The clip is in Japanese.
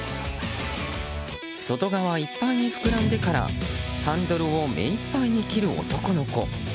外側いっぱいに膨らんでからハンドルを目いっぱいに切る男の子。